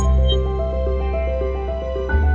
dan mendorong penguatan mata uang berbagai negara